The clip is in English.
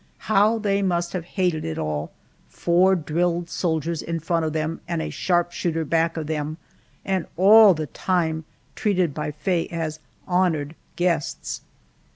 How they must have hated it all four drilled soldiers in front of them and a sharpshooter back of them, and all the time treated by Faye as honored guests!